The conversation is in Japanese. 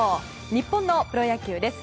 日本のプロ野球です。